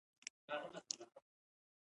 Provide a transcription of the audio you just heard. دښتې د افغانستان د تکنالوژۍ پرمختګ سره تړاو لري.